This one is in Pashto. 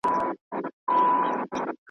او چي سېل سي د پیل زور نه په رسیږي .